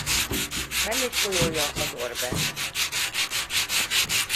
Mellékfolyója az Orbe.